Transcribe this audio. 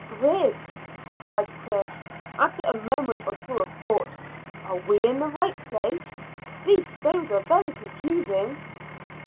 "Griggs," cried Chris, after a moment or two of thought, "are we in the right place? These stones are very confusing."